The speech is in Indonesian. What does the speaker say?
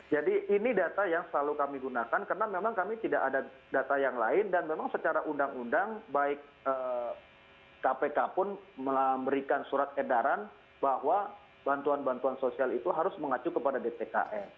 jadi ini data yang selalu kami gunakan karena memang kami tidak ada data yang lain dan memang secara undang undang baik kpk pun memberikan surat edaran bahwa bantuan bantuan sosial itu harus mengacu kepada dtkf